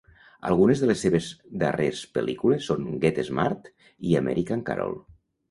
Algunes de les seves darrers pel·lícules són "Get Smart" i "American Carol".